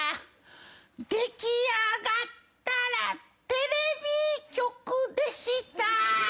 「出来上がったらテレビ局でした」